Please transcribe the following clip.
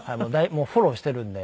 フォローしているので。